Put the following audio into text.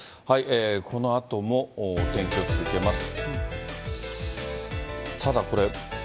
このあとも天気を続けます。